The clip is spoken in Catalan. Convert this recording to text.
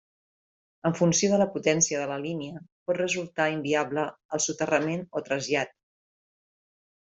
En funció de la potència de la línia pot resultar inviable el soterrament o trasllat.